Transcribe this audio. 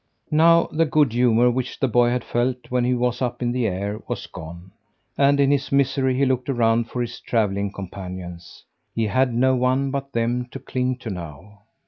Now the good humour which the boy had felt when he was up in the air, was gone, and in his misery he looked around for his travelling companions. He had no one but them to cling to now.